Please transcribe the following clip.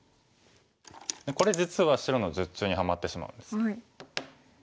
これ実は白の術中にはまってしまうんです。